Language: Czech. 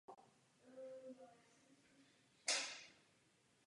Není to chyba Evropského parlamentu ani Komise.